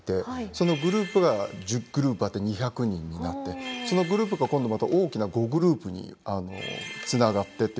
そのグループが１０グループあって２００人になってそのグループが今度また大きな５グループにつながってってことで。